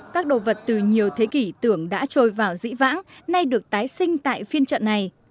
các đồ vật từ nhiều thế kỷ tưởng đã trôi vào dĩ vãng nay được tái sinh tại phiên trận này